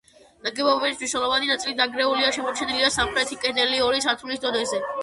ნაგებობის მნიშვნელოვანი ნაწილი დანგრეულია, შემორჩენილია სამხრეთი კედელი ორი სართულის დონეზე.